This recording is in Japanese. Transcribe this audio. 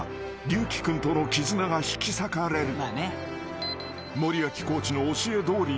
龍樹君との絆が引き裂かれる］